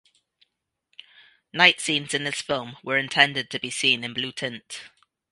Night scenes in this film were intended to be seen in blue tint.